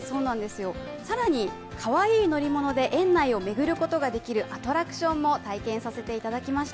更に、かわいい乗り物で園内を巡ることができるアトラクションも体験させていただきました。